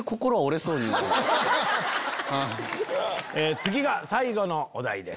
次が最後のお題です。